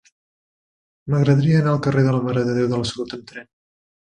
M'agradaria anar al carrer de la Mare de Déu de la Salut amb tren.